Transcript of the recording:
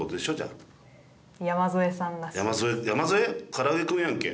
からあげ君やんけ。